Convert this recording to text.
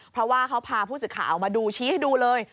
เพราะว่าเขาพาผู้สื่อข่าวมาดูชี้ให้ดูเลย